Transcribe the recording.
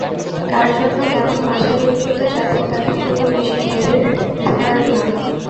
কার জন্য কেমনমাঝারি উচ্চতা যাঁদের, তাঁদের জন্য বেশি ঘেরের স্কার্ট নয়।